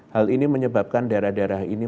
hal ini menyebabkan daerah daerah ini